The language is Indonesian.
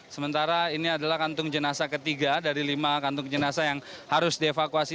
sementara ini adalah kantung jenazah ketiga dari lima kantung jenazah yang harus dievakuasi